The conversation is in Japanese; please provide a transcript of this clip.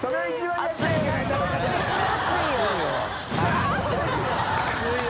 熱いよ